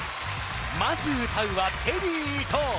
まず歌うはテリー伊藤